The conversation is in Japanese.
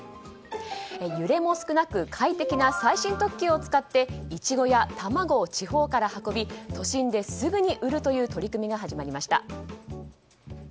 揺れも少なく快適な最新特急を使ってイチゴや卵を地方から運び都心ですぐに売るという取り組みが始まりました。